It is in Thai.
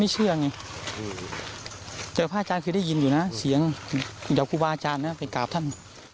เจอกับพระอาจารย์คือได้ยินอยู่นะเสียงเดี๋ยวกูวาอาจารย์นะไปกราบท่าน